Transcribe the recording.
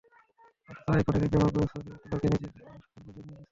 অথচ আইফোনের অ্যাপ ব্যবহার করে ছবি তোলাকে নিজের শখের পর্যায়েই নিয়ে গেছেন।